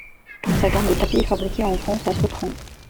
Toute sa gamme de tapis est fabriquée en France à Sautron.